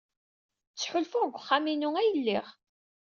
Ttḥulfuɣ deg uxxam-inu ay lliɣ.